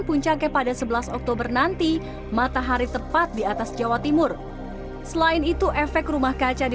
puncaknya pada sebelas oktober nanti matahari tepat di atas jawa timur selain itu efek rumah kaca di